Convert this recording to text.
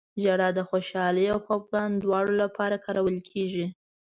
• ژړا د خوشحالۍ او خفګان دواړو لپاره کارول کېږي.